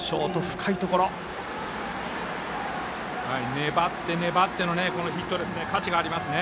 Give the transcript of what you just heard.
粘って粘ってのヒットで価値がありますね。